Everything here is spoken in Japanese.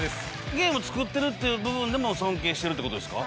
ゲーム作ってるっていう部分でも尊敬してるってことですか？